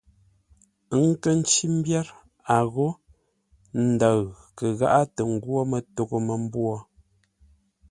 Ə́ kə̂ ncí mbyér, a ghô ndəʉ kə gháʼá tə ngwó mətoghʼə́ mə́mbwô!